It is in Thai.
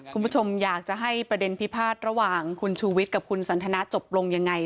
คุณผู้ชมอยากจะให้ประเด็นพิพาทระหว่างคุณชูวิทย์กับคุณสันทนาจบลงยังไง